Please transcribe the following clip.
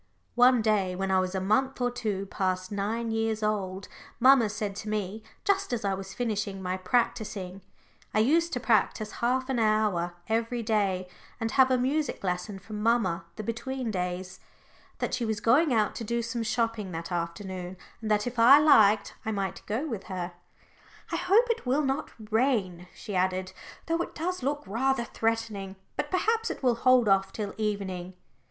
One day, when I was a month or two past nine years old, mamma said to me just as I was finishing my practising I used to practise half an hour every other day, and have a music lesson from mamma the between days that she was going out to do some shopping that afternoon, and that, if I liked, I might go with her. "I hope it will not rain," she added, "though it does look rather threatening. But perhaps it will hold off till evening."